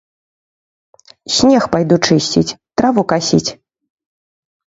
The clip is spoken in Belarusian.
Снег пайду чысціць, траву касіць.